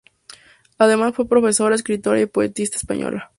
Además fue profesora, escritora y poetisa española.